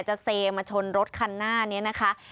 จะเซมาชนรถคันหน้านี้นะคะ